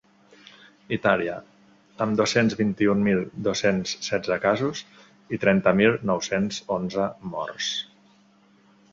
Itàlia, amb dos-cents vint-i-un mil dos-cents setze casos i trenta mil nou-cents onze morts.